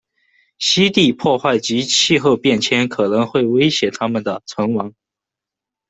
栖地破坏及气候变迁可能会威胁他们的存亡。